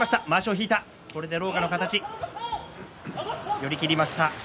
寄り切りました。